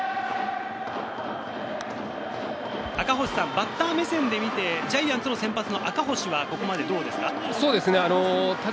バッター目線で見てジャイアンツの先発・赤星はどうですか？